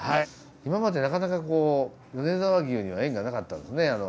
今までなかなかこう米沢牛には縁がなかったんですね。